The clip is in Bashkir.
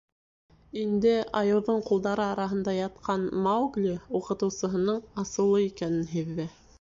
Инде айыуҙың ҡулдары араһында ятҡан Маугли уҡытыусының асыулы икәнен һиҙҙе.